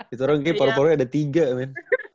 itu orang kayaknya poro poro ada tiga men